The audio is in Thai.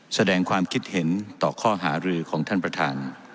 แสดงความคิดเห็นต่อข้อหารือของท่านประธาน